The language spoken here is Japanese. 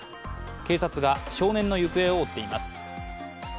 警察が少年の行方を追っています。